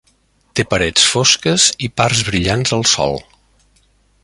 Té parets fosques i parts brillants al sòl.